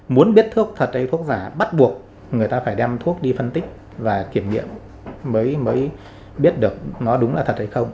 muốn biết thuốc thật hay thuốc giả bắt buộc người ta phải đem thuốc đi phân tích và kiểm nghiệm mới biết được nó đúng là thật hay không